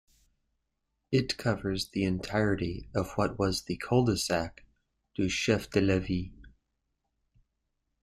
It covers the entirety of what was the cul-de-sac Duchefdelaville.